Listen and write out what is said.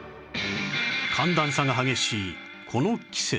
寒暖差が激しいこの季節